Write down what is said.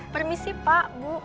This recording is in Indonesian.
permisi pak bu